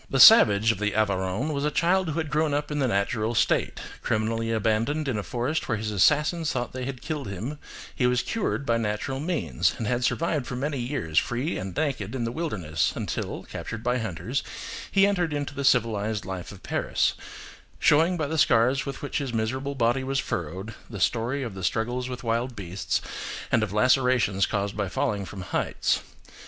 The savage of the Aveyron was a child who had grown up in the natural state: criminally abandoned in a forest where his assassins thought they had killed him, he was cured by natural means, and had survived for many years free and naked in the wilderness, until, captured by hunters, he entered into the civilised life of Paris, showing by the scars with which his miserable body was furrowed the story of the struggles with wild beasts, and of lacerations caused by falling from heights.